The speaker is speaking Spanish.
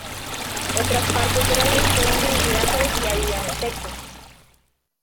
Otras partes de la ley fueron dirigidas a los que ya vivían en Texas.